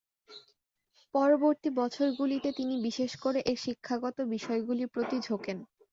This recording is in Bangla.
পরবর্তী বছরগুলিতে তিনি বিশেষ করে এর শিক্ষাগত বিষয়গুলির প্রতি ঝোঁকেন।